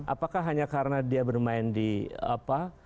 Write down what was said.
apakah hanya karena dia bermain di apa